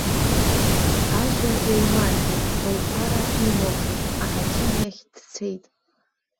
Ажәа еимаркит, лԥара имылхит, аҳақьым иахь дцеит.